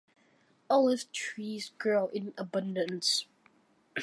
Olive trees grow in abundance.